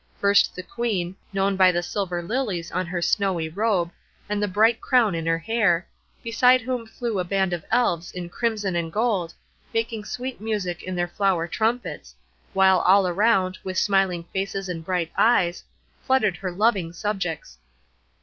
First the Queen, known by the silver lilies on her snowy robe and the bright crown in her hair, beside whom flew a band of Elves in crimson and gold, making sweet music on their flower trumpets, while all around, with smiling faces and bright eyes, fluttered her loving subjects.